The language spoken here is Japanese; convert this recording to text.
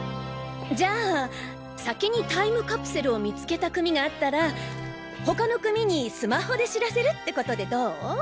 じゃあ先にタイムカプセルを見つけた組があったら他の組にスマホで知らせるって事でどう？